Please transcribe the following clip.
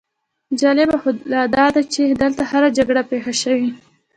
جالبه خو لا داده چې دلته هره جګړه پېښه شوې.